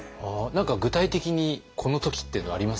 何か具体的にこの時っていうのあります？